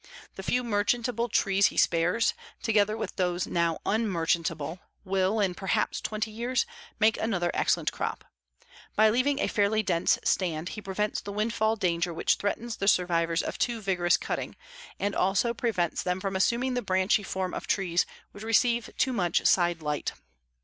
The few merchantable trees he spares, together with those now unmerchantable, will, in perhaps twenty years, make another excellent crop. By leaving a fairly dense stand he prevents the windfall danger which threatens the survivors of too vigorous cutting, and also prevents them from assuming the branchy form of trees which receive too much side light.